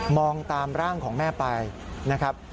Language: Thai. องตามร่างของแม่ไปนะครับ